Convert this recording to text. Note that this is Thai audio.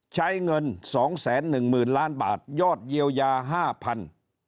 ใช้เงินสองแสนหนึ่งหมื่นล้านบาทยอดเยียวยา๕๐๐บาท